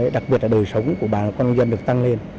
đặc biệt là đời sống của bà con dân được tăng lên